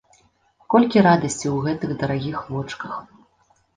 Колькі радасці ў гэтых дарагіх вочках!